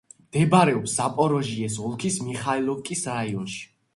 მდებარეობს ზაპოროჟიეს ოლქის მიხაილოვკის რაიონში.